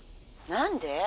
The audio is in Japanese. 「何で？